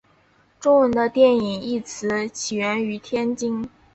中文的电影一词起源于天津。